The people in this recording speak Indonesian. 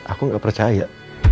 aku gak percaya